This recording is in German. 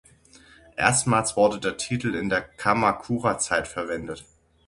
Erstmals wurde der Titel in der Kamakura-Zeit verwendet.